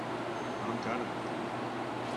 No encara.